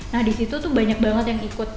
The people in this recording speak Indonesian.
nah disitu tuh banyak banget yang ikut